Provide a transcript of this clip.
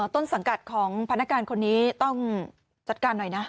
ต้นสังกัดของพนักงานคนนี้ต้องจัดการหน่อยนะ